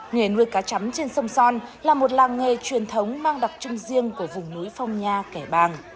nghề nuôi cá chắm trên sông son là một làng nghề truyền thống mang đặc trưng riêng của vùng núi phong nha kẻ bàng